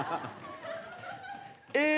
え